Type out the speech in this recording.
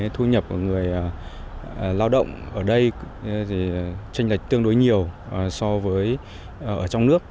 thu nhập của người lao động ở đây tranh lệch tương đối nhiều so với ở trong nước